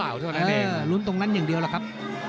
สวัสดีครับ